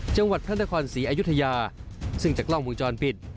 จังหวัดพระนครศรีอยุธยาซึ่งจากกล้องวงจรปิด